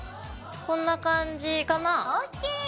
こんな感じかな？